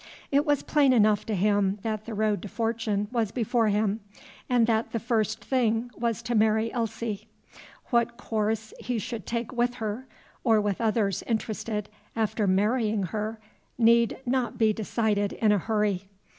It was plain enough to him that the road to fortune was before him, and that the first thing was to marry Elsie. What course he should take with her, or with others interested, after marrying her, need not be decided in a hurry.